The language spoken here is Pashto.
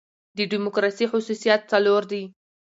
د ډیموکراسۍ خصوصیات څلور دي.